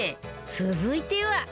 続いては